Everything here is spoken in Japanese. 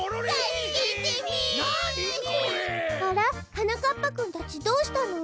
あら？はなかっぱくんたちどうしたの？